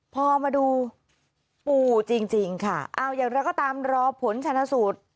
พอมาดูปู่จริงค่ะเอาอย่างไรก็ตามรอผลชนะสูตร